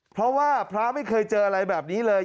เพราะว่าพระไม่เคยเจออะไรแบบนี้เลย